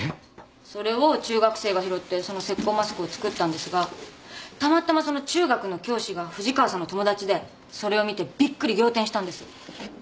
それを中学生が拾ってその石こうマスクを作ったんですがたまたまその中学の教師が藤川さんの友達でそれを見てびっくり仰天したんです。